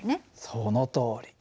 そのとおり。